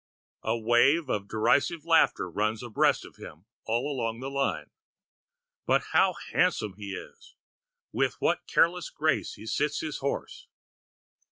A wave of derisive laughter runs abreast of him all along the line. But how handsome he is! With what careless grace he sits his horse!